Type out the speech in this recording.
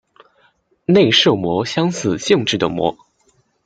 内射模相似性质的模。